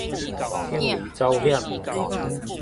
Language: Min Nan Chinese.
鋌而走險